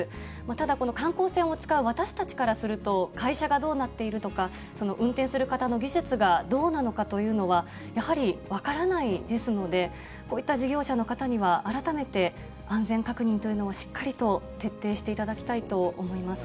ただ、この観光船を使う私たちからすると、会社がどうなっているとか、運転する方の技術がどうなのかというのは、やはり分からないですので、こういった事業者の方には、改めて安全確認というのをしっかりと徹底していただきたいと思います。